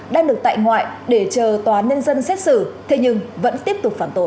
đang được tại ngoại để chờ tòa nhân dân xét xử thế nhưng vẫn tiếp tục phản tội